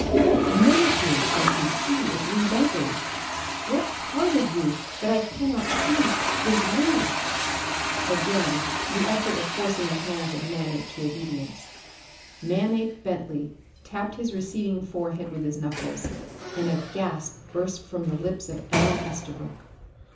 None of you I can see is Lee Bentley. What part of you that I cannot see is Lee?" Again the effort of forcing the hands of Manape to obedience. Manape Bentley tapped his receding forehead with his knuckles, and a gasp burst from the lips of Ellen Estabrook.